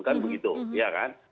kan begitu ya kan